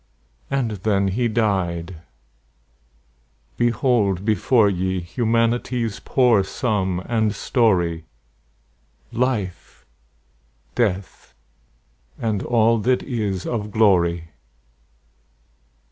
And then he died! Behold before ye Humanity's poor sum and story; Life, Death, and all that is of glory.